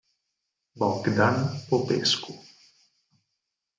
Bogdan Popescu